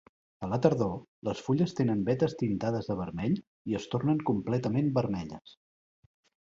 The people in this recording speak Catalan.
A la tardor, les fulles tenen vetes tintades de vermell i es tornen completament vermelles.